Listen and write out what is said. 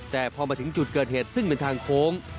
แต่พอมาถึงจุดเกิดเหตุซึ่งเป็นทางโค้ง